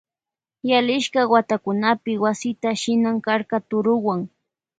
Yalishka watakunapi wasita shinan karka turuwan.